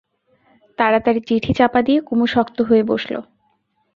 তাড়াতাড়ি চিঠি চাপা দিয়ে কুমু শক্ত হয়ে বসল।